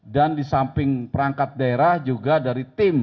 dan di samping perangkat daerah juga dari tim